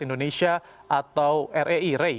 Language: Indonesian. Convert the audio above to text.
indonesia atau rei